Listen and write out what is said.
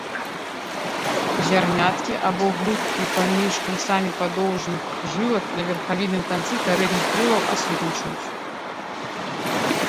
Зярняткі або грудкі паміж канцамі падоўжных жылак на верхавінным канцы пярэдніх крылаў адсутнічаюць.